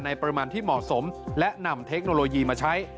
ปริมาณที่เหมาะสมและนำเทคโนโลยีมาใช้